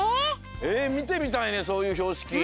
えみてみたいねそういうひょうしき。